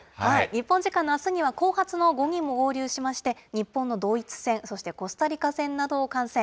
日本時間のあすには後発の５人も合流しまして、日本のドイツ戦、そしてコスタリカ戦などを観戦。